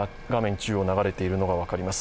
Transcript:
中央に川が流れているのが分かります。